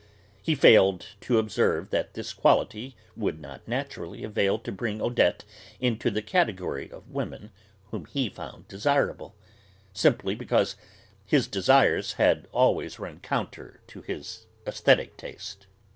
He failed to observe that this quality would not naturally avail to bring Odette into the category of women whom he found desirable, simply because his desires had always run counter to his aesthetic taste.